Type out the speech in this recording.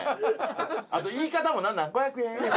あと言い方も何なん「５００円」